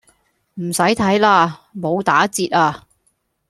唔洗睇喇，冇打折呀